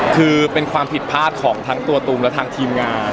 คือเป็นความผิดพลาดของทั้งตัวตูมและทางทีมงาน